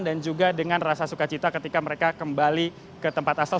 dan juga dengan rasa sukacita ketika mereka kembali ke tempat asal